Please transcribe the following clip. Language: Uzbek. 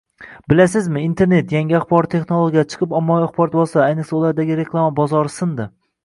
«Bilasiz, internet, yangi axborot texnologiyalari chiqib, ommaviy axborot vositalari, ayniqsa, ulardagi reklama bozori sindi.